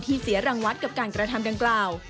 เสียรังวัดกับการกระทำดังกล่าว